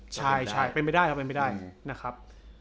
ใช่เป็นไปได้ครับ